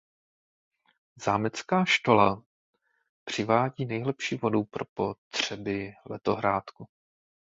Zámecká štola přivádí nejlepší vodu pro potřeby letohrádku.